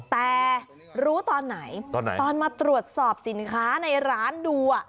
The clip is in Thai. แต่รู้ตอนไหนตอนไหนตอนมาตรวจสอบสินค้าในร้านดู